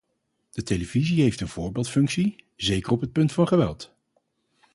De televisie heeft een voorbeeldfunctie, zeker op het punt van geweld.